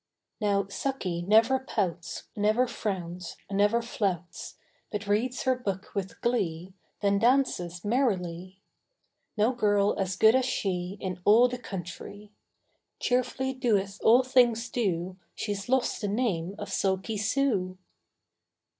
Now Sucky never pouts, Never frowns, never flouts, But reads her book with glee, Then dances merrily; No girl as good as she, In all the country; Cheerfully doth all things do, Sheâs lost the name of sulky Sue.